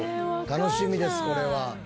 楽しみですこれは。